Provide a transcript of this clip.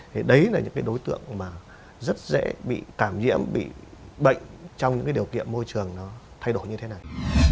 thì đấy là những cái đối tượng mà rất dễ bị cảm nhiễm bị bệnh trong những cái điều kiện môi trường nó thay đổi như thế này